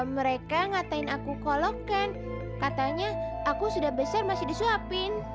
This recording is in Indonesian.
mereka ngatain aku kolom kan katanya aku sudah besar masih disuapin